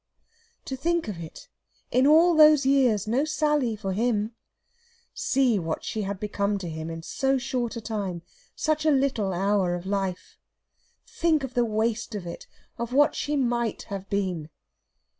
To think of it in all those years, no Sally for him! See what she had become to him in so short a time such a little hour of life! Think of the waste of it of what she might have been!